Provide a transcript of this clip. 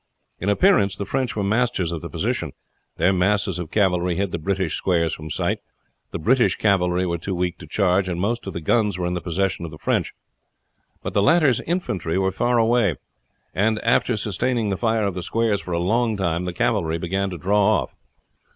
In appearance the French were masters of the position. Their masses of cavalry hid the British squares from sight. The British cavalry were too weak to charge, and most of the guns were in the possession of the French; but the latter's infantry were far away, and after sustaining the fire of the squares for a long time, the cavalry began to draw off.